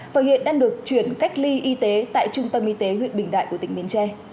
và hiện đang được chuyển cách ly y tế tại trung tâm y tế huyện bình đại của tỉnh bến tre